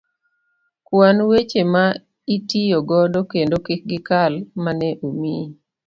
kwan weche ma itiyo godo kendo kik gikal mane omiyi.